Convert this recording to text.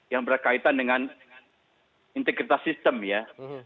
yang berkaitan dengan integritas sistem ya